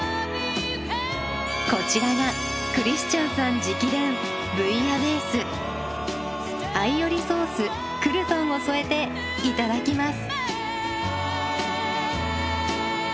こちらがクリスチャンさん直伝アイオリソースクルトンを添えていただきます。